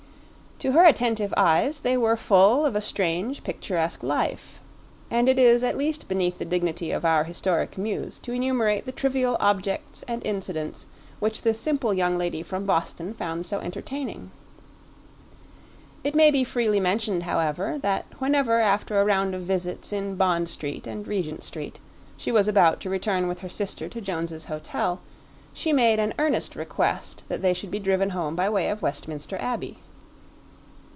To her attentive eyes they were full of a strange picturesque life, and it is at least beneath the dignity of our historic muse to enumerate the trivial objects and incidents which this simple young lady from Boston found so entertaining. It may be freely mentioned, however, that whenever, after a round of visits in Bond Street and Regent Street, she was about to return with her sister to Jones's Hotel, she made an earnest request that they should be driven home by way of Westminster Abbey.